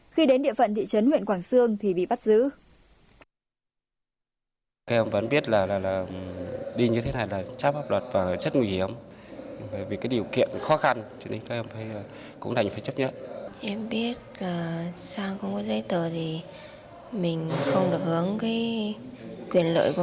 khi đến địa phận thị trấn huyện quảng xương thì bị bắt giữ